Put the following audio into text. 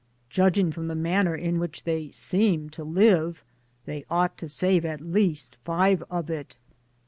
• Judging from the manner in which they seem to live, they ought to save at least five of it.